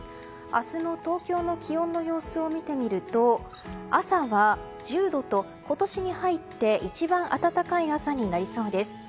明日の東京の気温の様子を見てみると朝は１０度と今年に入って一番暖かい朝になりそうです。